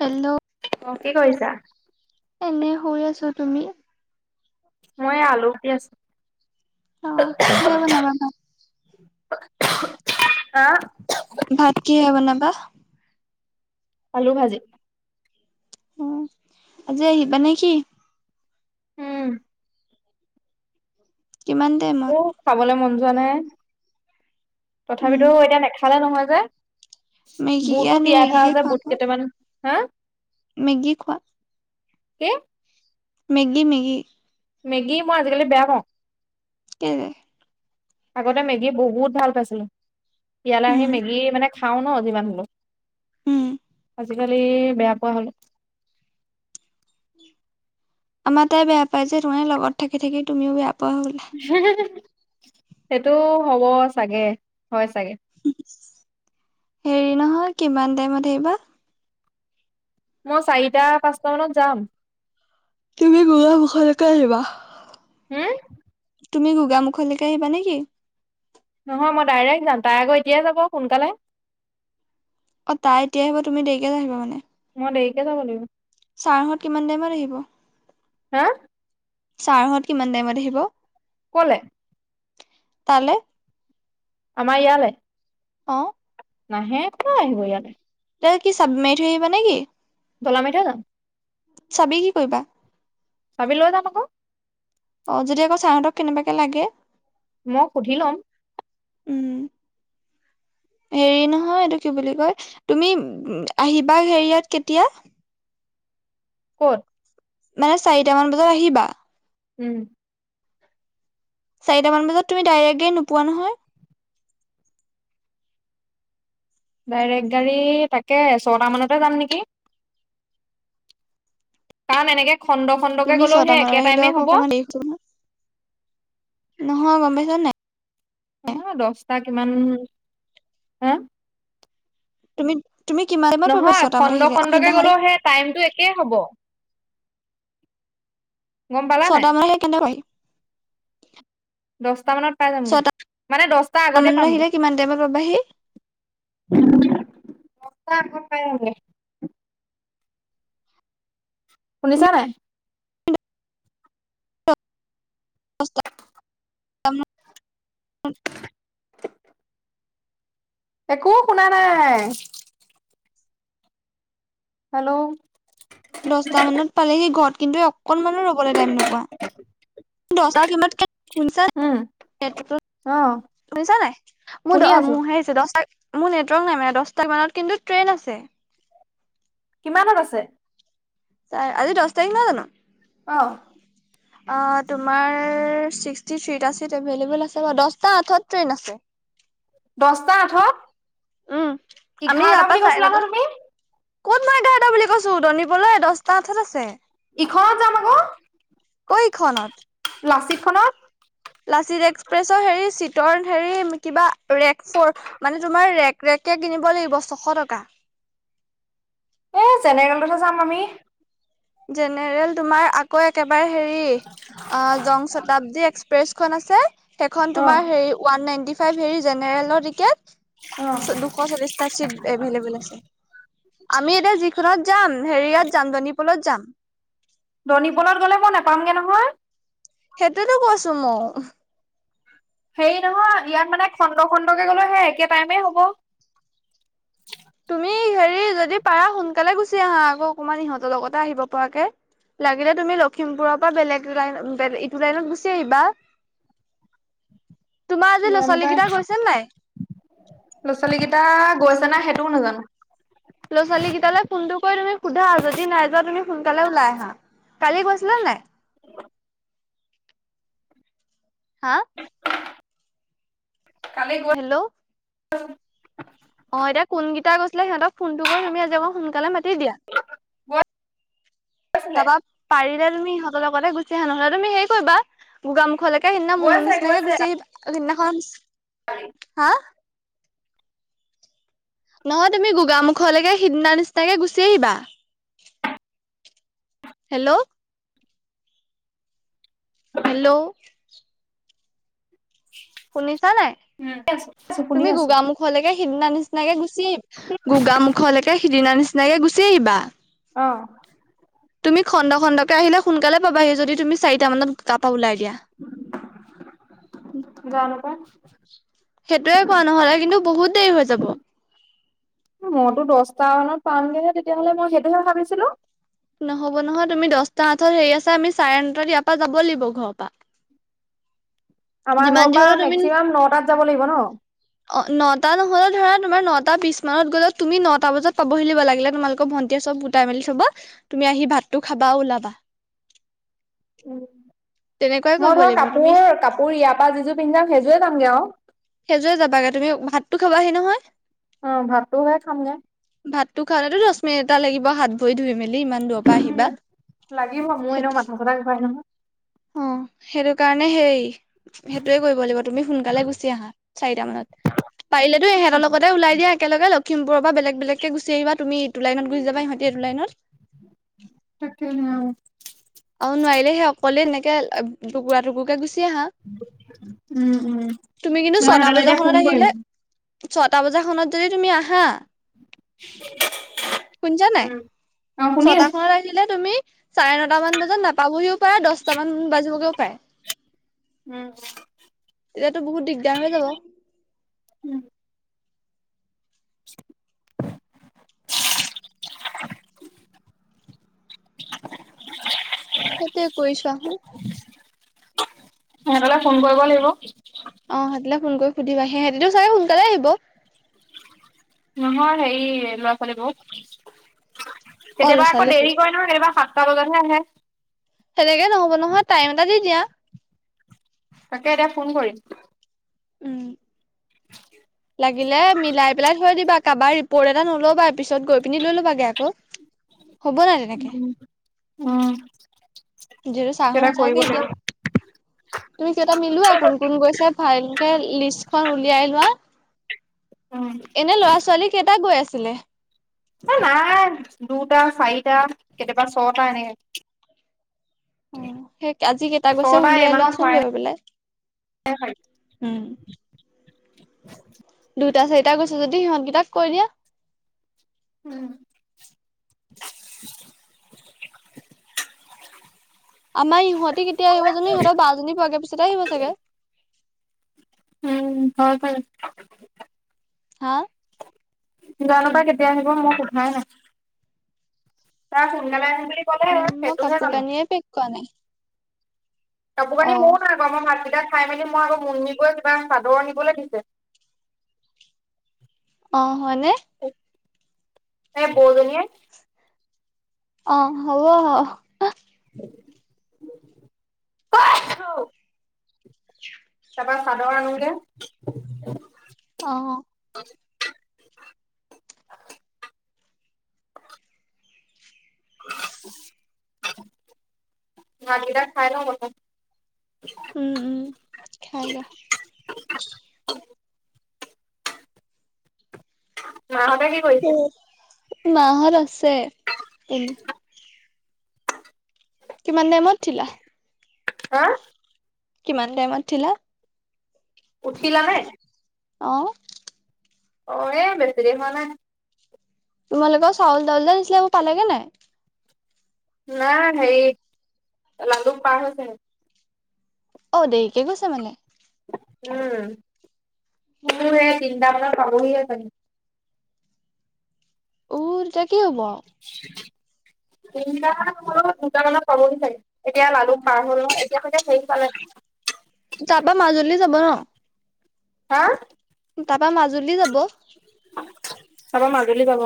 Hello? অ, কি কৰিছা? এনে শুই আছো, তুমি? মই আলু, পিয়াজ অ, কিহে বনাবা নো? [unintelligible] আহ। ভাত কিহে বনাবা? আলু ভাজি। অ, আজি আহিবা নে কি? উম। কিমান টাইমত? খাবলে মন যোৱা নাই উম তথাপিটো এতিয়া নাখালে নহয় যে। মেগীকে বুটো আনি তিয়াই থোৱা মেগীকে আছে যে বুট খুৱাব কেইটামান, হা? মেগী খোৱা? কি? Maggi Maggi? মেগী মই আজিকালি বেয়া পাওঁ। কেলে? আগতে মেগী বহুত ভাল পাইছিলো, ইয়ালৈ আহি উম মেগী মানে খাওঁ ন, জিমান হলেও উম। আজিকালি বেয়া পোৱা হলো। আমাৰ তাই বেয়া পায় যে, সেইটো কাৰণে লগত থাকি থাকি, তুমিও বেয়া পোৱা হলা। সেইটো হ'ব চাগে, হয় চাগে। হেৰি নহয়, কিমান টাইমত আহিবা। মই চাৰিটা, পাঁচটা মানত যাম। তুমি গোৱামুখলৈকে আহিবা। হম তুমি গোগা মুখৰলৈকে আহিবা নে কি? নহয় মই ডাইৰেক্ট যাম, তাই আকৌ এতিয়াই যাব সোনকালে। অ, তাই এতিয়া আহিব, তুমি দেৰিকৈ আহিব মানে। মই দেৰিকে যাব লাগিব। চাৰ হত কিমান টাইমত আহিব, হা চাৰহত কিমান টাইমত আহিব? ক'লে তালে। আমাৰ ইয়ালে? অঁ। নাহে কিয় আহিব ইয়ালে। তে, কি চাবি মাৰি থৈ আহিবা নেকি? তলা মাৰি থৈ যাম। চাবি কি কৰিবা? চাবি লৈ যাম আকৌ। অঁ, যদি আকৌ চাৰহঁতক কেনেবাকে লাগে। মই সুধি লম। উম। হেৰি নহয় এইটো কি বুলি কয়, তুমি আহিবা হেৰিয়াত কেতিয়া? ক'ত মানে চাৰিটা মান বজাত আহিবা। উম। চাৰিটামান বজাত তুমি ডাইৰেক গাৰি নোপোৱা নহয়। ডাইৰেক্ট গাড়ী তাকে ছটামানতে যাম নেকি। কাৰণ এনেকে খণ্ড খণ্ডকে তুমি গলেও ছটা হে, মানত একে আহিলেও টাইমে আকৌ হ'ব। [inaudible] নহয়, গম পাইচা নাই। অঁ, দছটা কিমান হা তুমি তুমি কিমান টাইমত পাবাহি নহয় ছটা মানত খণ্ড আহিলে খণ্ডকে সেইদিনাখন গ'লেও সেই টাইমটো একেই হ'ব। গম পালা নাই, ছটা মানত আহিলে কেনেকে পাবাহি দহটা মানত পাই যামগে, ছটা মানে দহটা আগতে মানত পামগে। আহিলে কিমান টাইমত পাবাহি দছটা আগত পায় যামগে। শুনিছা নাই? দহটা [inaudible] একো শুনা নাই। হেল্ল'। দশটা মানত পালেহি ঘৰত কিন্তু অকনমানো ৰবলৈ টাইম নোপোৱা। দহটা কিমানত [unintelligible] অঁ। শুনিছা নাই, মোৰ দহ মোৰ সেই দহটা, মোৰ নেটৱৰ্ক নাই মানে দহটাক কিমানত কিন্তু ট্ৰেইন আছে। কিমানত আছে? অঁ' আজি দহ তাৰিখ নহয় জানো? অ। অঁ' তোমাৰ ছিক্সটি থিটা চিত এভেইলেবল আছে বাৰু দহটা আঠত ট্ৰেইন আছে। দহটা আঠত, উম, আমি ইয়াৰ এঘাৰটা পৰা বুলি চাৰে কৈছিলা নটা নহয় তুমি। ক'ত মই এটা এটা বুলি কৈছো, ধনীপলৈ দহটা আঠত আছে। ইখনত যাম আকৌ কৈ ইখনত লাচিত খনত। লাচিত এক্সপ্ৰেছৰ হেৰি চিটৰ হেৰি কিবা ৰেক ফৰ মানে তোমাৰ ৰেক ৰেককে কিনিব লাগিব ছশ টকা। এ জেনেৰেলতহে যাম আমি। জেনেৰেল তোমাৰ আকৌ একেবাৰে হেৰি অঁ' জং শতাব্দী এক্সপ্ৰেছখন আছে। সেইখন অ', তোমাৰ হেৰি ওৱান নাইনটি ফাইভ হেৰি জেনেৰেলৰ অ'। টিকেট দুশ চল্লিশ টা চিট এভলেবল আছে। আমি এতিয়া যিখনত যাম হেৰিয়ত যাম দনী পলত যাম। দনীপলত গ'লে মই নোপামগৈ নহয়। সেইটোৱেতো কৈছো মইও। হেৰি নহয় ইয়াত মানে খন্দ খন্দকে গলো সে একে টাইমে হ'ব। তুমি হেৰি যদি পাৰা সোনকালে গুচি আহা আকৌ অকমান ইহঁতৰ লগতে আহিব পৰাকৈ। লাগিলে তুমি লখিমপুৰৰ পৰা বেলেগ লাইন ইটো লাইনত গুচি আহিবা। [unintelligible] আজি ল'ৰা জানো ছোৱালী পাই, কেইটা গৈছে নাই ল'ৰা ছোৱালী কেইটা গৈছে নাই সেইটোও নাজানো। ল'ৰা ছোৱালীকেইটালে ফোনটো কৰি তুমি সোধা। যদি নাই যোৱা তুমি সোনকালে ওলাই আহা। কালি গৈছিলা নাই? হা? কালি গৈ হেল্ল'। অঁ' এতিয়া কোনকেইটা গৈছিলে সিহঁতক ফোনটো কৰি তুমি আজি অকমান সোনকালে মাতি দিয়া। গৈ তাপা পাৰিলে তুমি ইহঁতৰ লগতে গুচি আহা। নহ'লে তুমি হেৰি কৰিবা। গোগা মুুখলৈকে সেইদিনা মুনো গৈছে নিচিনাকে গৈছে গুচি আহিবা, সেইদিনাখন, হা। নহয় তুমি গোগামুখলৈকে সিদিনা নিচিনাকে গুচি আহিবা। হেল্ল'। হেল্ল'। শুনিছা নাই, শুনি তুমি আছো গোগামুখ গোগমুখলৈকে সিদিনা নিচিনাকে গুচি, গোগা মুখলৈকে সিদিনা নিচিনাকে গুচি আহিবা। অঁ। তুমি খণ্ড খণ্ডকে আহিলে সোনকালে পাবাহি যদি তুমি চাৰিটা মানত তাপা ওলাই দিয়া। জানো পায়। সেইটোৱে কোৱা নহলে কিন্তু বহুত দেৰি হৈ যাব। মইতো দছটা মানত পামগেহে তেতিয়াহ'লে মই সেইটোহে ভাবিছিলো। নহব নহয় তুমি দহটা আঠত হেৰি আছ আমি চাৰে নটাত ইয়াৰ পৰা যাব লাগিব ঘৰৰ পৰা। আমাৰ যিমান ঘৰৰ যি পৰা হ'লেও তুমি মেক্সিমাম নটাত যাব লাগিব ন। অ নটা নহলেও ধৰা তোমাৰ নটা বিশছ মানত গ'লেও তুমি নটা বজাত পাবহি লাগিলে তোমালোকৰ ভণ্টিয়ে চব গোটাই মেলি থব তুমি আহি ভাতটো খাবা ওলাবা। উম তেনেকুৱাই মই কৰিব ধৰ লাগিব তুমি কাপোৰ কাপোৰ ইয়াৰ পৰা যিযোৰ পিন্ধি যাম সেইযোৰে যামগে আৰু সেইযোৰে যাবাগে তুমি ভাতটো খাবাহি নহয় অ ভাতটোহে খামগৈ ভাতটো খালেতো দহ মিনিট এটা লাগিব হাত ভৰি ধুই মেলি ইমান দূৰৰ পৰা আহিবা লাগিব মোৰ সেইটো [unintelligible] অ সেইটো কাৰণে সেই সেইটোয়ে কৰিব লাগিব তুমি সোনকালে গুচি আহা চাৰিটা মানত। পাৰিলেতো এহঁতৰ লগতে ওলাই দিয়া একলগে লক্ষিমপুৰৰ পৰা বেলেগ বেলেগকে গুচি আহিবা তুমি টো লাইনত গুচি যাবা ইহঁতে এইটো লাইনত [unintelligible] অ নোৱাৰিলে সেই অকলে এনেকে টুকুৰা টুকুুৰকে গুচি আহা। উম তুমি কিন্তু মই ছটা সিহঁতলৈ এতিয়া বজা ফোন খনত কৰিম। আহিলে ছটা বজাখনত যদি তুমি আহা শুনিছানে নাই উম অ শুনি ছটা আছো খনত আহিলে তুমি চাৰে ন মান বজাত নাপাবহিও পাৰা দহটামান বাজিবগৈও পাৰে। উম এতিয়াতো বহুত দিগদাৰ হৈ যাব [inaudible] সেইটোৱে কৰিছোৱা সিহঁতলে ফোন কৰিব লাগিব। অ সিহঁতলৈ ফোন কৰি সুধিবা সিহঁতি টো চাগে সোনকালে আহিব। নহয় হেৰি ল'ৰা ছোৱালীবোৰ অ ল'ৰা কেতিয়াবা আকৌ ছোৱালীবোৰ দেৰি কৰে এইবা সাতটা বজাতহে আহে। সেনেকৈ নহ'ব নহয় টাইম এটা দি দিয়া তাকে এতিয়া ফোন কৰিম। উম [unintelligible] লাগিলে মিলাই পেলাই থৈ দিবা কাৰোবাৰ ৰিপৰ্ট এটা নল'বা পিছত গৈ পিনি লৈ ল'বাগে আকৌ হ'ব নাই তেনেকে। উম যিহেটো চাৰ হতে কিবা কৰিব নাথাকে এতিয়া লাগিব। তুমি কেইটা মিলোৱা কোন কোন গৈছে ভালকে লিষ্টখন উলিয়াই লোৱা উম এনে ল'ৰা ছোৱালী কেইটা গৈ আছিলে? এ নাই দুটা চাৰিটা কেতিয়াবা ছটা এনেকে অ সেই আজি কেইটা গৈছে ছটা এই উলিয়াই মাহত লোৱাচোন হোৱাই লৈ পেলাই নাই চাগে উম [inaudible] দুটা চাৰিটা গৈছে যদি সিহঁতকেইটাক কৈ দিয়া উম। আমাৰ ইহঁতি কেতিয়া আহিব জানো, ইহঁতৰ বা জনী পোৱাগে পিছতে আহিব চাগে। উম হব পাৰে, হা? জানো উম, পায় কে কেতিয়া আহিব মই সোধাই নাই। তাই সোনকালে আহিম বুলি ক'লে উম মই সেইটোহে কাপোৰ জানো। কানিয়ে পেক কৰা নাই কাপোৰ কানি অ। ময়ো নাই মই ভাতকেইটা খাই মেলি মই আকৌ মুনমী বৌৱে কিবা চাদৰ নিবলৈ দিছে। অ হয়নে। এ বৌ জনীয়ে অ হব। [unintelligible] তাপা চাদৰ আনোগে। অ। ভাত কেইটা খাই লওঁ প্ৰথম। উম উম খায় লোৱা। মাহঁতে কি কৰিছে মাহঁত আছে এনে। কিমান টাইমত উঠিলা? হা। কিমান টাইমত উঠিলা? উঠিলা নে? অঁ। অ এ বেছি দেৰি হোৱা নাই। তোমালোকৰ চাউল ডাইল যে আহিছিলে সেইবোৰ পালেগে নাই। না হেৰি লালুক পাৰ হৈছে হে। অঁ দেৰিকে গৈছে মানে। উম অ মোৰ এ তিনিটা মানত পাবহিহে চাগে। উ তেতিয়া কি হ'ব আও। তিনিটা মানত নহলেও দুটা মানত পাবহি চাগে। এতিয়া অ লালুক পাৰ হ'ল নহয় এতিয়া চাগে হেৰি পালে। তাপা মাজুলী যাব ন। হা। তাপা মাজুলী যাব। তাপা মাজুলী যাব।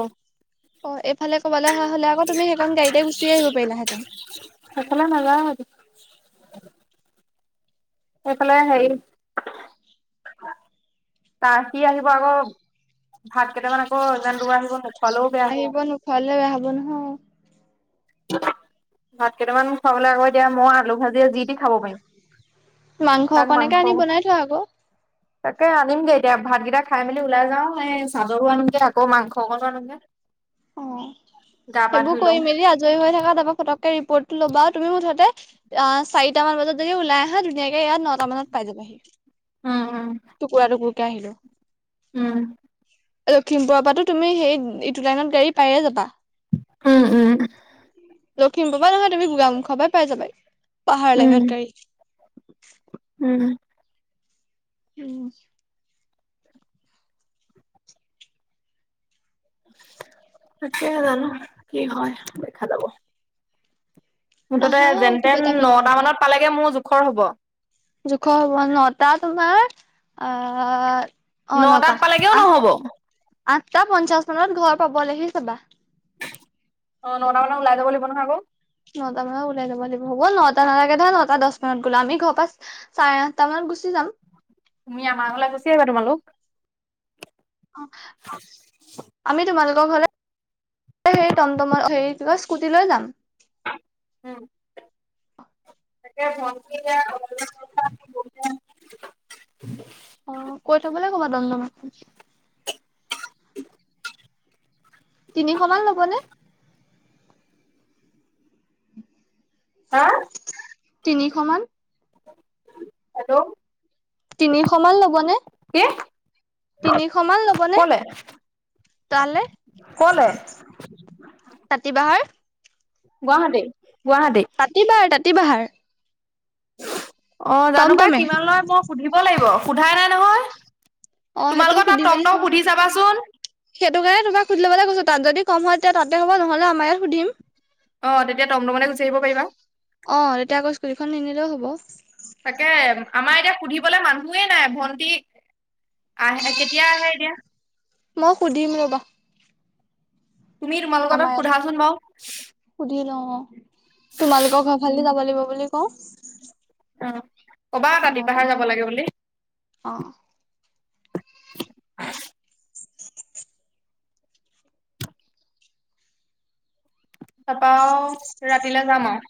অ এইফালে কৰবালে অহা হ'লে আকৌ তুমি সেইখন গাড়ীতে গুচি আহিব পাৰিলাহেঁতেন। সেইফালে নাযায় আজি। সেইফালে হেৰি তা সি আহিব আকৌ, ভাত কেইটামান আকৌ ইমান দূৰ আহিব নোখোৱালেও বেয়া হ'ব। আহিব নোখোৱালেও বেয়া হ'ব নহয়। ভাত কেইটামান খুৱাবলে আকৌ এতিয়া মই আলু ভাজিয়ে যি টি খাব পাৰিম। মাংস তাক অকণনেকে আনি মাংস বনাই থও আক। তাকে আনিমগে এতিয়া ভাতকেইটা খাই মেলি ওলাই যাওঁ, এই চাদৰো আনিমগে আকৌ মাংসকনো আনোঁগে। অ পা সেইবোৰ ধুই লওঁ কৰি মেলি আজ আজৰি হৈ থকা তাপা ফটকে ৰিপৰ্টটো ল'বা, তুমি মুঠতে অ চাৰিটা মান বজাত যদি ওলাই আহা ধুনীয়াকে ইয়াত নটা মানত পাই যাবাহি। উম উম টুকুৰা টুকুৰকে আহিলে। উম। লখিমপুৰৰ পৰাটো তুমি সেই ইটো লাইনত গাড়ী পাইয়ে যাবা? উম, উম। লখিমপুৰ পৰা নহয় তুমি গোগামুখৰ পৰা পাই যাবা পাহাৰৰ উম লাইনত গাড়ী। উম। উম। তাকেহে জানো কি হয় দেখা যাব। মুঠতে আহা কিবা যেনতেন এটা মিলাই নটা মেলি। মানত পালেগে মোৰ জোখৰ হ'ব। জোখৰ হ'ব ন, নটা তোমাৰ আহ অ' নটা, নটাত পালেগেও আঠ নহ'ব। অ আঠটা পঞ্চাশ মানত ঘৰ পাবলৈহি চাবা? অ' নটা মানত ওলাই যাব লাগিব নহয় আকৌ? নটা মানত ওলাই যাব লাগিব, হ'ব নটা নালাগে ধৰা নটা দহ মানত গ'লা। আমি ঘৰৰ পৰা চাৰে আঠটা মানত গুচি যাম? তুমি আমাৰঘৰলে গুচি আহিবা তোমালোক? অ'। আমি তোমালোকৰ ঘৰলে- হে টমটম -হেৰি লৈ স্কুটি লৈ যাম। উ তাকে [inaudible] উ [inaudible] অ, কৈ থবলৈ কবা দ [unintelligible] ম [inaudible] তিনিশ মান ল'বনে? হা'? তিনিশ মান? হেল্ল'? তিনিশ মান ল'ব নে? কি, ল'বনে ক'লে, তালে কলে তাতি বাঁহৰ গুৱাহাটী, গুৱাহাটী। তাতিবাৰ, তাতিবাহাৰ। অ' জানো পায় টমটমে কিমান লয়, মই সুধিব লাগিব সোধাই নাই নহয়। অ সেইটো তোমালোকৰ তাত সুধি মেলি টমটম চাবচোন সুধি চাবাচোন? সেইটো কাৰণে তোমাক সুধিবলৈ কৈছো? তাত যদি কম হয় তেতিয়া তাতে হ'ব, নহ'লে আম ইয়াত সুধিম। অ' তেতিয়া টমটমতে গুচি আহিব পাৰিবা। অ' তেতিয়া আকৌ স্কুটীখন নিনিলেও হ'ব। তাকে আমাৰ এতিয়া সুধিবলে মানুহয়েই নাই। ভন্টি আহে- কেতিয়া আহে এতিয়া? মই সুধিম ৰ'বা। তুমি তোমালোকৰ আমাৰ তাত ইয়াত সোধাচোন বাৰু? সুধি লওঁ, তোমালোকৰ ঘৰ ফালে যাব লাগিব বুলি কওঁ। অ' ক'বা নটামান তাতিবাহাৰ যাব লাগে বুলি? অ' হ [inaudible] তাৰপা আৰু ৰাতিলৈ যাম আৰু।